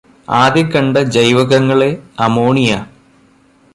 ആദ്യം കണ്ട ജൈവകങ്ങളെ അമോണിയ